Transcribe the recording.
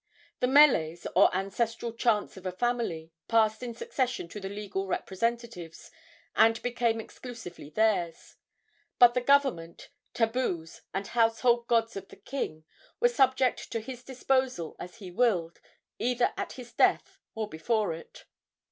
The meles, or ancestral chants of a family, passed in succession to the legal representatives, and became exclusively theirs; but the government, tabus and household gods of the king were subject to his disposal as he willed, either at his death or before it.